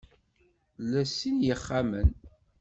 Ila sin n yixxamen.